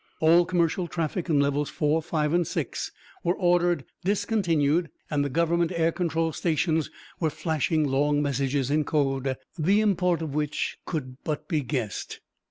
All commercial traffic in levels four, five and six was ordered discontinued, and the government air control stations were flashing long messages in code, the import of which could but be guessed.